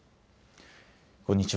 こんにちは。